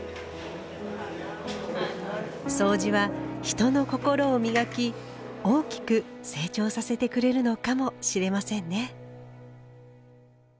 そうじは人の心を磨き大きく成長させてくれるのかもしれませんね。